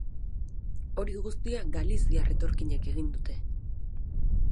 Hori guztia galiziar etorkinek egin dute.